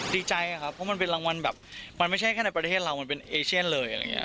ดีใจครับเพราะมันเป็นรางวัลแบบมันไม่ใช่แค่ในประเทศเรามันเป็นเอเชียนเลยอะไรอย่างนี้